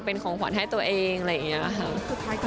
เป็นของขวัญให้ตัวเองอะไรอย่างนี้ค่ะ